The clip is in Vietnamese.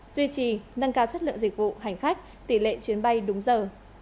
duy trì nâng cao chất lượng dịch vụ hành khách tỷ lệ chuyến bay đúng giờ